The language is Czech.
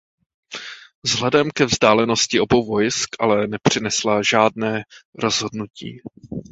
Vzhledem ke vzdálenosti obou vojsk ale nepřinesla žádné rozhodnutí.